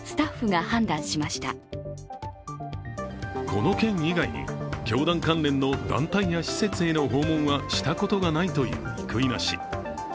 この件以外に教団関連の団体や施設への訪問はしたことがないという生稲氏。